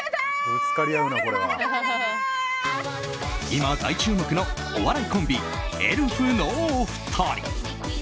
今、大注目のお笑いコンビエルフのお二人。